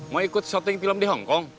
mau ikut shotting film di hongkong